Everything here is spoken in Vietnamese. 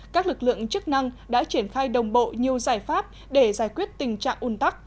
các lực lượng chức năng đã triển khai đồng bộ nhiều giải pháp để giải quyết tình trạng un tắc